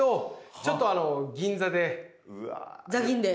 ザギンで。